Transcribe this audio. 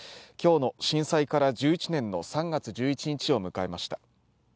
今日の震災から１１年の３月１１日を迎えました。